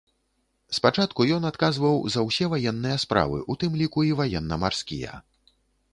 Спачатку ён адказваў за ўсе ваенныя справы, у тым ліку і ваенна-марскія.